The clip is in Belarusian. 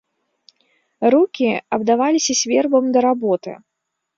Рукі абдаваліся свербам да работы.